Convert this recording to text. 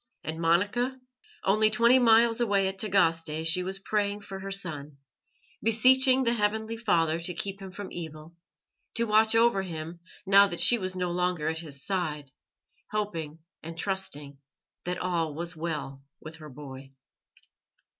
And Monica? Only twenty miles away at Tagaste she was praying for her son, beseeching the Heavenly Father to keep him from evil, to watch over him now that she was no longer at his side, hoping and trusting that all was well with her boy.